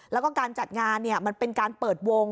แล้วก็การจัดงานมันเป็นการเปิดวง